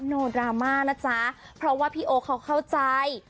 โนดราม่านะจ๊ะเพราะว่าพี่โอ๊คเขาเข้าใจ